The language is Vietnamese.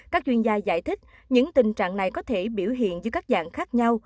các chuyên gia giải thích những tình trạng này có thể biểu hiện dưới các dạng khác nhau